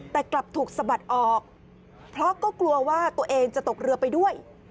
แต่กลับถูกสะบัดออกเพราะก็กลัวว่าตัวเองจะตกเรือไปด้วย